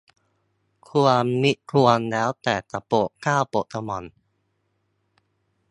ควรมิควรแล้วแต่จะโปรดเกล้าโปรดกระหม่อม